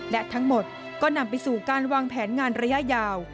และทั้งหมดก็นำไปสู่การวางแผนงานระยะยาว